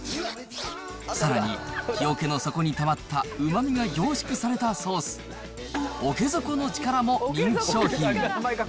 さらに、木桶の底にたまったうまみが凝縮されたソース、桶底のちからも人気商品。